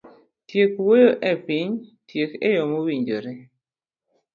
Tiek wuoyo e piny, tiek eyo mowinjore.